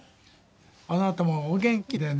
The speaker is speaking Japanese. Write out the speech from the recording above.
あなたもお元気でね。